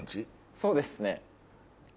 そうですね。